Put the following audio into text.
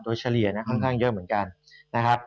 โดยเฉลี่ยนะค่อนข้างเยอะเหมือนกัน